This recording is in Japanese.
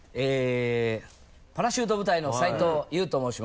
パラシュート部隊の斉藤優と申します。